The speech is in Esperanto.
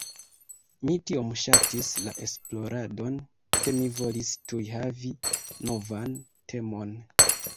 Mi tiom ŝatis la esploradon, ke mi volis tuj havi novan temon.